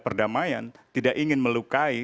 perdamaian tidak ingin melukai